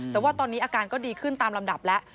แต่ว่าตอนนี้อาการก็ดีขึ้นตามลำดับแล้ว